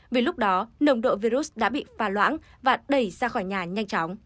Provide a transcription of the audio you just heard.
vì lúc đó nồng độ virus đã bị pha loãng và đầy